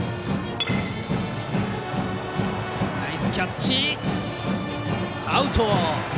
ナイスキャッチ、アウト。